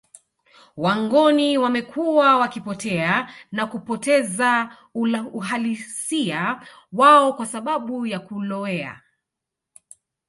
Wangoni wamekuwa wakipotea na kupoteza uhalisia wao kwa sababu ya kulowea